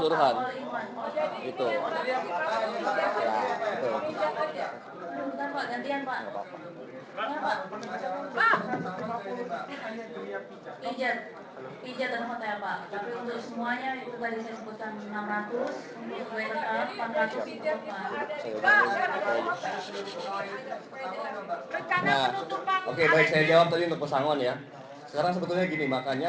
untuk itu seperti tergantung pemba sebelumnya ya